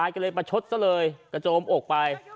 กะโจมอกไป